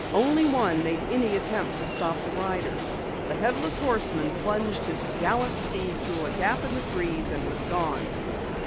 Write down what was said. Only one made any attempt to stop the rider. The Headless Horseman plunged his gallant steed through a gap in the trees and was gone.